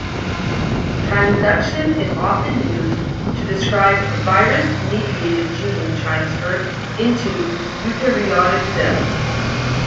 Transduction is often used to describe virus-mediated gene transfer into eukaryotic cells.